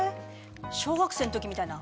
小学生の時みたいな。